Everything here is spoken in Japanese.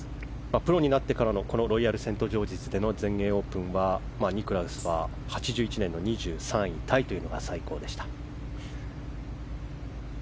プロになってからのロイヤルセントジョージズでの全英オープンは、ニクラウスの８１年の２３位タイというのが最高でした。